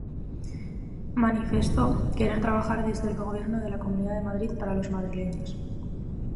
Manifestó querer trabajar desde el Gobierno de la Comunidad de Madrid para los madrileños.